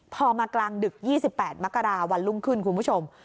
พอมากลางดึก๒๘มกราวันรุ่งขึ้นคุณผู้ชม